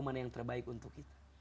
mana yang terbaik untuk kita